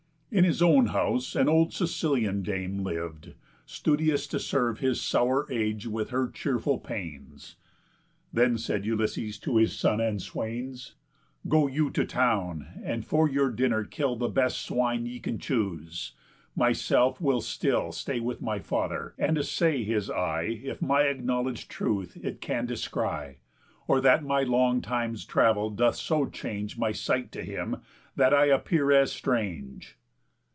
In his own house An old Sicilian dame liv'd, studious To serve his sour age with her cheerful pains. Then said Ulysses to his son and swains: "Go you to town, and for your dinner kill The best swine ye can choose; myself will still Stay with my father, and assay his eye If my acknowledg'd truth it can descry, Or that my long time's travel doth so change My sight to him that I appear as strange."